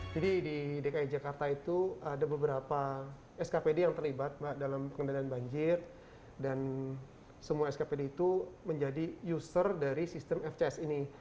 jadi di dki jakarta itu ada beberapa skpd yang terlibat dalam pengelolaan banjir dan semua skpd itu menjadi user dari sistem fcs ini